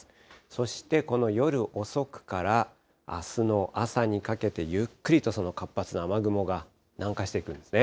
そして、この夜遅くからあすの朝にかけて、ゆっくりとその活発な雨雲が南下してくるんですね。